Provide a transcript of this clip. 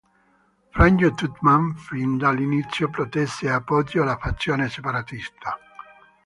Franjo Tuđman fin dall'inizio protesse e appoggiò la fazione separatista.